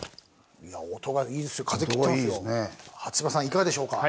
いかがでしょうか？